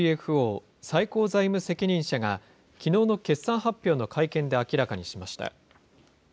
ＣＦＯ・最高財務責任者が、きのうの決算発表の会見で明らかにしました。